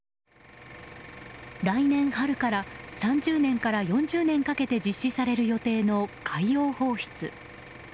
来年春から３０年から４０年かけて実施される予定の海洋放出。